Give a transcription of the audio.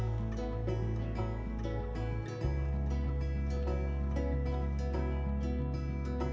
terima kasih tuhan